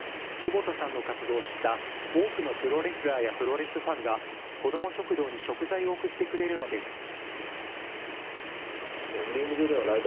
久保田さんの活動を知った多くのプロレスラーやプロレスファンが、子ども食堂に食材を送ってくれるのです。